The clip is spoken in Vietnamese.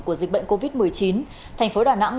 của dịch bệnh covid một mươi chín tp đà nẵng